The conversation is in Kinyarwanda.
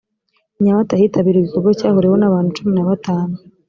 i nyamata hitabiriwe igikorwa cyahuriwemo n abantu cumi na batanu